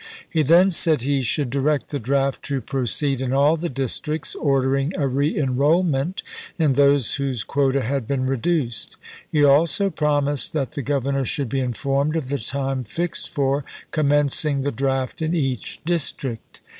He then said he should direct the draft to proceed in all the districts, ordering a reenroll ment in those whose quota had been reduced. He also promised that the Governor should be informed of the time fixed for commencing the draft in each district.